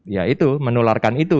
ya itu menularkan itu